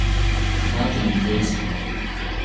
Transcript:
香川県三豊市